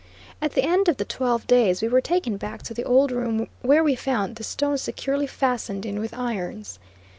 At the end of the twelve days we were taken back to the old room where we found the stone securely fastened in with irons.